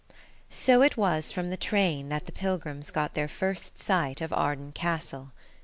So it was from the train that the pilgrims got their first sight of Arden Castle.